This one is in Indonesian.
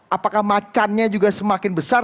apakah macannya juga semakin besar